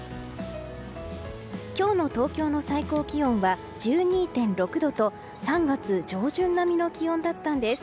今日の東京の最高気温は１２．６度と３月上旬並みの気温だったんです。